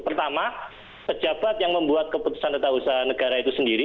pertama pejabat yang membuat keputusan tentang usaha negara itu sendiri